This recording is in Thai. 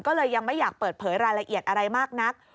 ก็เลยยังไม่อยากเปิดเผยรายละเอียดอะไรมากนัก